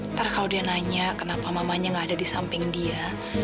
ntar kalau dia nanya kenapa mamanya nggak ada di samping dia